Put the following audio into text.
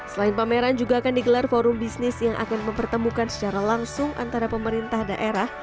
selain pameran juga akan digelar forum bisnis yang akan mempertemukan secara langsung antara pemerintah daerah